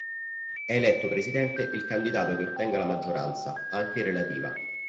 È eletto presidente il candidato che ottenga la maggioranza, anche relativa.